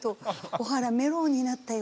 小原メローになったよ」